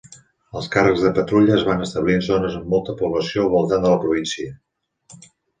Els càrrecs de patrulla es van establir en zones amb molta població al voltant de la província.